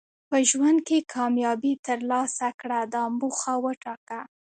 په ژوند کې کامیابي ترلاسه کړه دا موخه وټاکه.